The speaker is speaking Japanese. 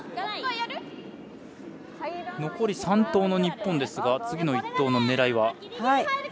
残り３投の日本ですが次の１投の狙いは？